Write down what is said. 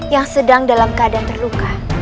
yang sedang dalam keadaan terluka